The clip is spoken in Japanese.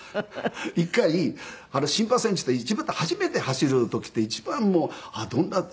一回新馬戦っていって一番の初めて走る時って一番もうどんなって。